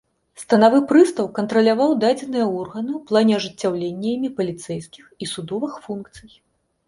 Станавы прыстаў кантраляваў дадзеныя органы ў плане ажыццяўлення імі паліцэйскіх і судовых функцый.